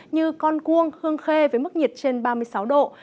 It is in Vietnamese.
như con cuông hương khê với mức nhiệt trên ba mươi sáu độ